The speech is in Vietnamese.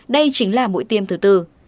đây chính là mũi tiêm thứ tư